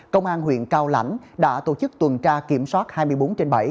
công an huyện cao lãnh đã tổ chức tuần tra kiểm soát hai mươi bốn trên bảy